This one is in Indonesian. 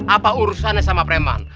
apa urusannya sama preman